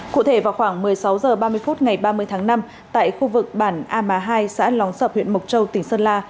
cụ thể vào khoảng một mươi sáu h ba mươi phút ngày ba mươi tháng năm tại khu vực bản a má hai xã lóng sập huyện mộc châu tỉnh sơn la